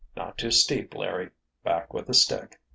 "Not too steep, Larry. Back with the stick."